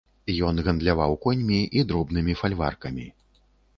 Ён гандляваў коньмі і дробнымі фальваркамі.